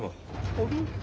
あれ？